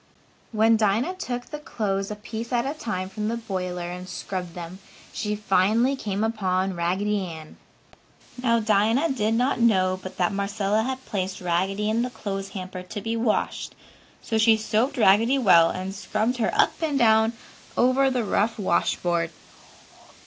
When Dinah took the clothes a piece at a time from the boiler and scrubbed them, she finally came upon Raggedy Ann. Now Dinah did not know but that Marcella had placed Raggedy in the clothes hamper to be washed, so she soaped Raggedy well and scrubbed her up and down over the rough wash board.